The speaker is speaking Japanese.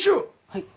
はい。